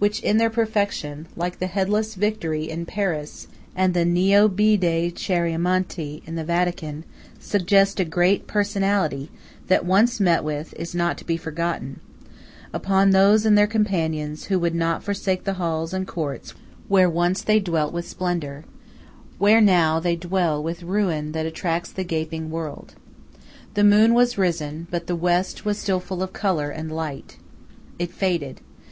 which in their perfection, like the headless Victory in Paris, and the Niobide Chiaramonti in the Vatican, suggest a great personality that once met with is not to be forgotten: upon these and their companions, who would not forsake the halls and courts where once they dwelt with splendor, where now they dwell with ruin that attracts the gaping world. The moon was risen, but the west was still full of color and light. It faded.